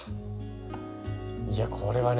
いやこれはね